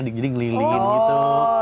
jadi ngelilingin gitu